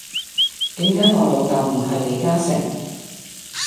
點解我老竇唔係李嘉誠